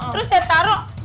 terus saya taruh